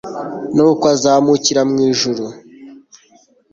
nukw'azamukira mw'ijuru